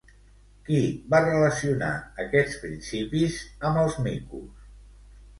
Qui va relacionar aquests principis amb els micos?